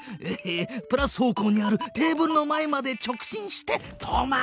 プラス方向にあるテーブルの前まで直進して止まる！